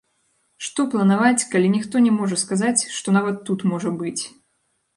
Што планаваць, калі ніхто не можа сказаць, што нават тут можа быць!